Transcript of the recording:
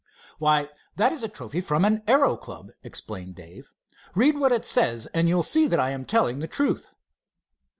"Why, that is a trophy from an aero club," explained Dave. "Read what it says, and you'll see that I am telling the truth."